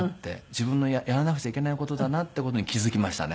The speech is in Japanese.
自分のやらなくちゃいけない事だなっていう事に気付きましたね。